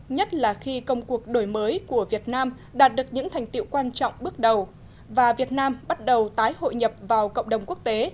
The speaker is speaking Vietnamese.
nhất là khi công cuộc đổi mới của việt nam đạt được những thành tiệu quan trọng bước đầu và việt nam bắt đầu tái hội nhập vào cộng đồng quốc tế